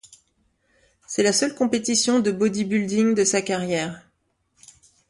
C'est la seule compétition de bodybuilding de sa carrière.